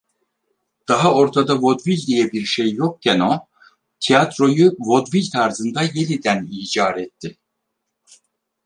Daha ortada vodvil diye bir şey yokken o, tiyatroyu vodvil tarzında yeniden icar etti.